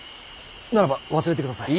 ならば忘れてください。